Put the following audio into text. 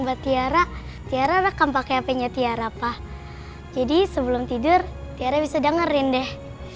buat tiara tiara rekam pake hp nya tiara pak jadi sebelum tidur tiara bisa dengerin deh